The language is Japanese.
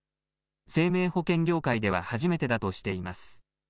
生命保険業界では初めてだとしています。